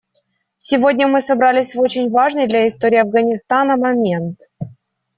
Сегодня мы собрались в очень важный для истории Афганистана момент.